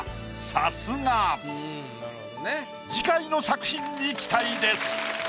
次回の作品に期待です。